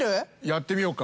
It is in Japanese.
やってみよう。